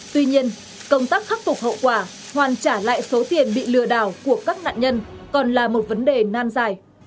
tuy nhiên công tác khắc phục hậu quả hoàn trả lại số tiền bị lừa đảo của các nạn nhân còn là một vấn đề nan dài